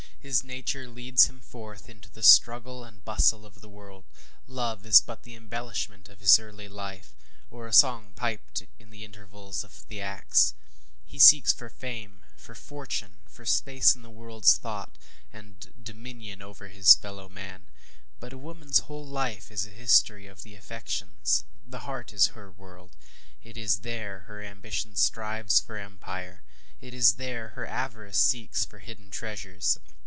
His nature leads him forth into the struggle and bustle of the world. Love is but the embellishment of his early life, or a song piped in the intervals of the acts. He seeks for fame, for fortune for space in the worldŌĆÖs thought, and dominion over his fellow men. But a womanŌĆÖs whole life is a history of the affections. The heart is her world; it is there her ambition strives for empire it is there her avarice seeks for hidden treasures.